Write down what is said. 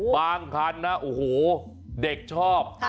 คันนะโอ้โหเด็กชอบ